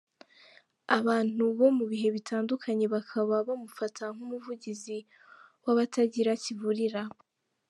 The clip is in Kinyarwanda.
Abantu bo mu bihe bitandukanye bakaba bamufata nk’umuvugizi w’abatagira kivurira.